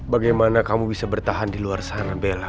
bagaimana kamu bisa bertahan di luar sana bella